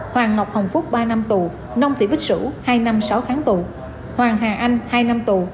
hoàng ngọc hồng phúc ba năm tù nông thị bích sử hai năm sáu tháng tù hoàng hà anh hai năm tù